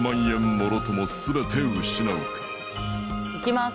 もろとも全て失うかいきます